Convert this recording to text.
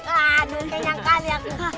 aduh kenyang kali aku